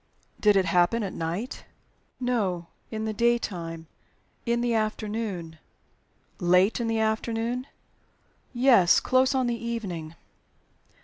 "Did it happen at night?" "No. In the daytime in the afternoon." "Late in the afternoon?" "Yes close on the evening."